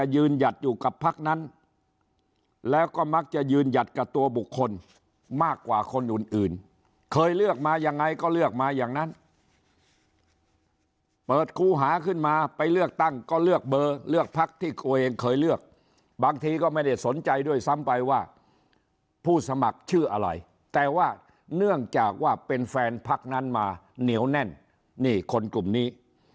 อยากผ่านในเมืองจากชื่ออะไรแต่ว่าเนื่องจากเป็นแฟนพักหน้ามาเหนียวแน่นคลุมนี้